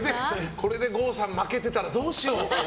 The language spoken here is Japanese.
これで郷さん負けてたらどうしよう。